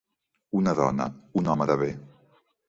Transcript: Una dona, un home de bé.